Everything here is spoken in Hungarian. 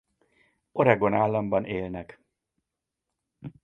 Oregon államban élnek.